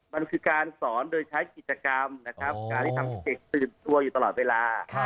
มันคือการสอนโดยใช้กิจกรรมนะครับการที่ทำให้เด็กตื่นตัวอยู่ตลอดเวลา